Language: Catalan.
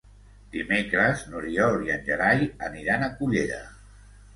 Dimecres n'Oriol i en Gerai aniran a Cullera.